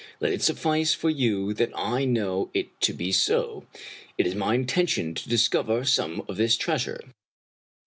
Let it suffice for you that I know it to be so. It is my intention to discover some of this treasure."